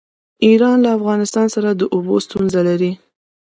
ایران له افغانستان سره د اوبو ستونزه لري.